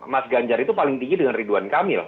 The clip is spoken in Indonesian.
mas ganjar itu paling tinggi dengan ridwan kamil